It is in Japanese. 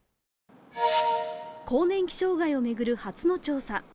更年期障害を巡る初の調査。